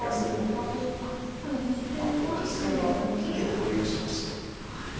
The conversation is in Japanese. でも実戦は切りを保留しました。